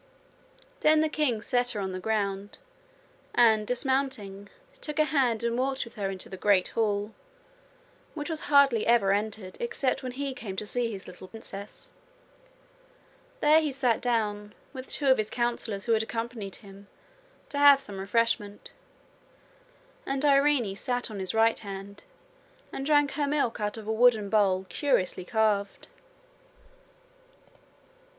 Then the king set her on the ground and, dismounting, took her hand and walked with her into the great hall, which was hardly ever entered except when he came to see his little princess. There he sat down, with two of his counsellors who had accompanied him, to have some refreshment, and Irene sat on his right hand and drank her milk out of a wooden bowl curiously carved.